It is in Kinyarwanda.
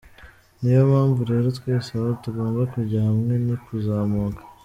Ni yo mpamvu rero twese aho tugomba kujya hamwe, ni kuzamuka.